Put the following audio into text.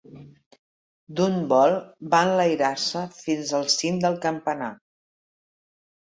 D'un vol va enlairar-se fins al cim del campanar.